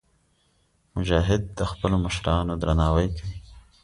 مجاهد د خپلو مشرانو درناوی کوي.